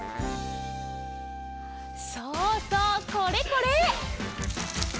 そうそうこれこれ！